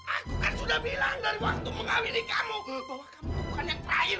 aku kan sudah bilang dari waktu mengawili kamu bahwa kamu bukan yang terakhir